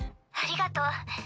ありがとう。